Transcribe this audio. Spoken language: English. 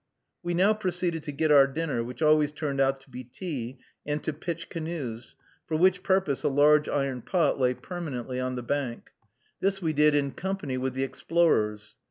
We now proceeded to get our dinner, which always turned out to be tea, and to pitch canoes, for which purpose a large iron pot lay permanently on the bank. This we did in company with the explorers.